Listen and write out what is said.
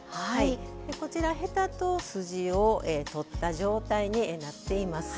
こちらヘタと筋を取った状態になっています。